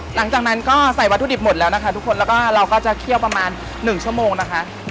หลังจากนั้นก็ใส่วัตถุดิบหมดแล้วนะคะทุกคนแล้วก็เราก็จะเคี่ยวประมาณ๑ชั่วโมงนะคะ